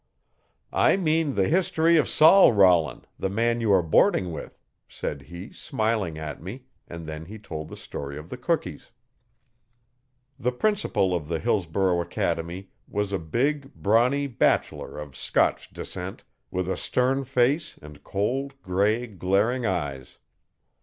'I mean the history of Sol Rollin, the man you are boarding with,' said he smiling at me and then he told the story of the cookies. The principal of the Hillsborough Academy was a big, brawny bachelor of Scotch descent, with a stem face and cold, grey, glaring eyes.